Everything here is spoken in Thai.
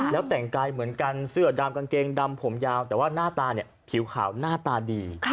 แล้วแต่งกายเหมือนกันเสื้อดำกางเกงดำผมยาวแต่ว่าหน้าตาเนี่ยผิวขาวหน้าตาดี